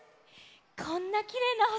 こんなきれいなほし